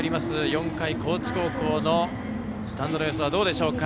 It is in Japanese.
４回、高知高校のスタンドの様子はどうでしょうか。